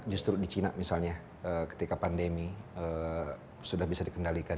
justru di cina misalnya ketika pandemi sudah bisa dikendalikan